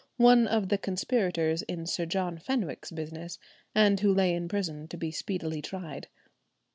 one of the conspirators in Sir John Fenwick's business, and who lay in prison "to be speedily tried."